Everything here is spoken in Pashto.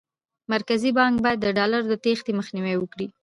مرکزي بانک باید د ډالرو د تېښتې مخنیوی وکړي.